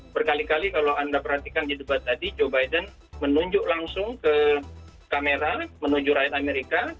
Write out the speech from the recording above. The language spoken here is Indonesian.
berkali kali kalau anda perhatikan di debat tadi joe biden menunjuk langsung ke kamera menuju rakyat amerika